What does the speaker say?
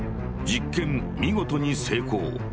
「実験見事に成功」。